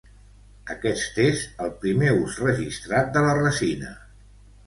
Aquest és el primer us registrat de la resina.